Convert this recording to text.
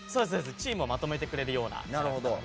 チームをまとめてくれるような。